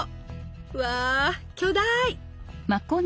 うわ巨大！